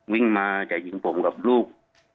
วิ่งมาจะยิงผมกับลูก